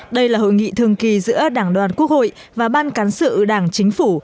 đây là hội nghị thường kỳ giữa đảng đoàn quốc hội và ban cán sự đảng chính phủ